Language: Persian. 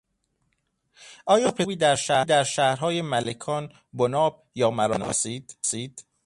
آیا پزشک خوبی در شهرهای ملکان، بناب یا مراغه میشناسید؟